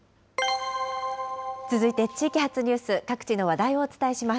続いて地域発ニュース、各地の話題をお伝えします。